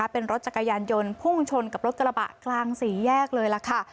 เป็นรถจักรยานยนต์พุ่งชนกับรถกระบะกลางสี่แยกเลยล่ะค่ะ